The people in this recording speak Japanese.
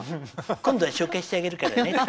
今度紹介してあげるからね！